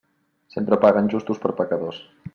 Sempre paguen justos per pecadors.